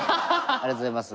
ありがとうございます。